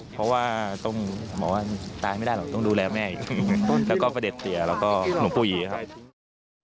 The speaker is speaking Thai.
เพราะว่าต้องหมอหน้าไม่ได้ต้องดูแลแม่ก็ก็ประเด็นเปรียและก็แล้วก็ผู้หญิงของคุณผู้ชมครับ